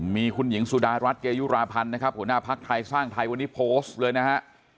มีคุณหญิงสุดารัฐเกยุราพันธ์นะครับหัวหน้าภักดิ์ไทยสร้างไทยวันนี้โพสต์เลยนะฮะ